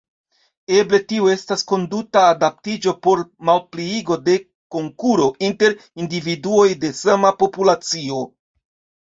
Eble tio estas konduta adaptiĝo por malpliigo de konkuro inter individuoj de sama populacio.